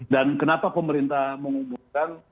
dan kenapa pemerintah mengumumkan